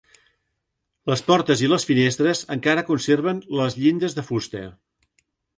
Les portes i les finestres encara conserven les llindes de fusta.